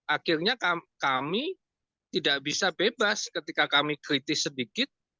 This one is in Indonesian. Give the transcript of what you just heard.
akhirnya kami tidak bisa bebas ketika kami kritis sedikit